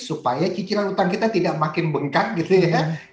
supaya cicilan utang kita tidak makin bengkak gitu ya